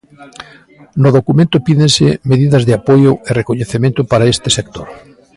No documento pídense medidas de apoio e recoñecemento para este sector.